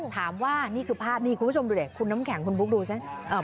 ถามว่านี่คือภาพนี่คุณผู้ชมดูดิคุณน้ำแข็งคุณบุ๊คดูสิ